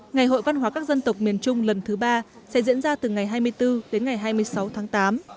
ngày hội văn hóa các dân tộc miền trung lần thứ ba sẽ diễn ra từ ngày hai mươi bốn đến ngày hai mươi sáu tháng tám